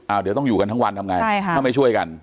เดี๋ยวต้องอยู่กันทั้งวันทำไงถ้าไม่ช่วยกัน